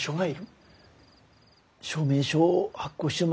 はい。